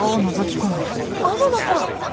天野さん！